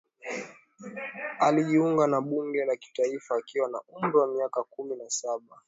alijiunga na bunge la kitaifa akiwa na umri wa miaka kumi na saba